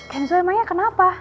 kenzo emangnya kenapa